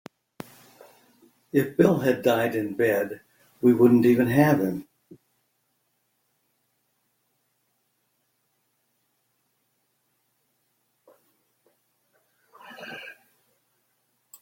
If Bill had died in bed we wouldn't even have him.